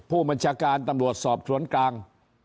ผู้บัญชาการตำรวจสอบสวนกลาง